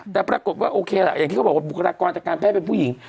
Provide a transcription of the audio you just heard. แต่ปรากฏว่าโอเคล่ะอย่างที่เขาบอกว่าบุคลากรทางการแพทย์เป็นผู้หญิง